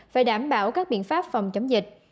phải đảm bảo các biện pháp phòng chống dịch